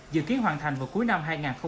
dự kiến hoàn thành vào cuối năm hai nghìn hai mươi